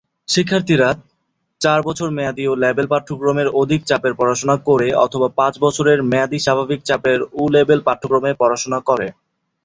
শিক্ষার্থীরা চার বছর মেয়াদী ও-লেবেল পাঠ্যক্রমের অধিক চাপের পড়াশোনা করে অথবা পাঁচ বছর মেয়াদী স্বাভাবিক চাপের ও-লেবেল পাঠ্যক্রমে পড়াশোনা করে।